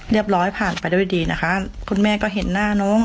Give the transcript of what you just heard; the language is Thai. เรียบร้อยผ่านไปได้ดีนะคะคุณแม่ก็เห็นหน้าน้อง